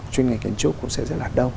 chuyên ngành kiến trúc cũng sẽ rất là đông